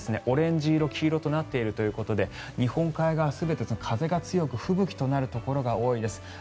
オレンジ色、黄色となっているということで日本海側は全て風が強く吹雪となるところが多いです。